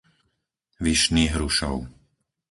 Vyšný Hrušov